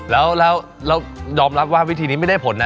แล้วยอมรับว่าวิธีนี้ไม่ได้ผลนะ